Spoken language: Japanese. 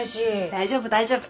大丈夫大丈夫。